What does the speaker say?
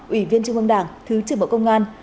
ủy viên trung ương đảng thứ trưởng bộ công an